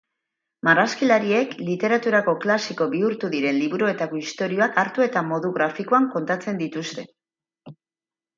Marrazkilariek literaturako klasiko bihurtu diren liburuetako istorioak hartu eta modu grafikoan kontatzen dituzte.